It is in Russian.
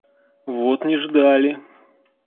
Вот не ждали!